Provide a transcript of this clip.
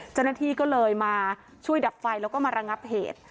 เจ้าหน้าที่ก็เลยมาช่วยดับไฟแล้วก็มาระงับเหตุ